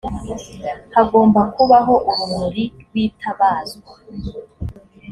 hagomba kubaho urumuri rwitabazwa